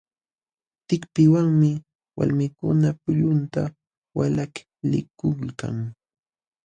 Tikpiwanmi walmikuna pullunta walaklikulkan.